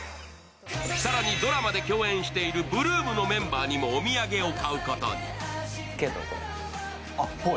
更に、ドラマで共演している８ＬＯＯＭのメンバーにもお土産を買うことに。